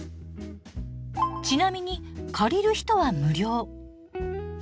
ちなみに借りる人は無料。